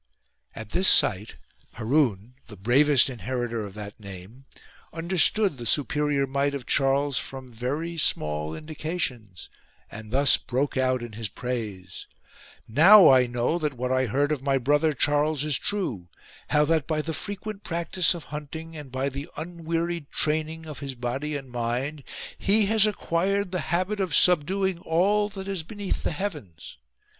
At this sight Haroun, the bravest inheritor of that name, understood the superior might of Charles from very small indications, and thus broke out in his praise :—" Now I know that what I heard of my brother Charles is true : how that by the frequent practice of hunting, and by the unwearied training of his body and mind, he has acquired the habit of subduing all that is beneath the heavens.